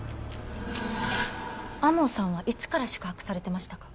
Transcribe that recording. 天羽さんはいつから宿泊されてましたか？